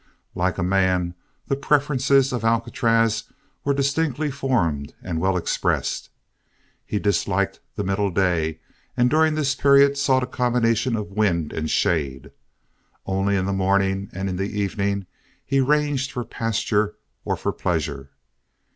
Like a man, the preferences of Alcatraz were distinctly formed and well expressed. He disliked the middle day and during this period sought a combination of wind and shade. Only in the morning and in the evening he ranged for pasture or for pleasure.